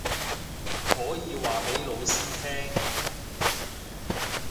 可以話畀老師聽